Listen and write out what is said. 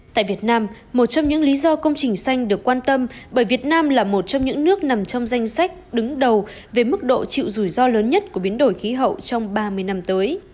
tại việt nam một trong những lý do công trình xanh được quan tâm bởi việt nam là một trong những nước nằm trong danh sách đứng đầu về mức độ chịu rủi ro lớn nhất của biến đổi khí hậu trong ba mươi năm tới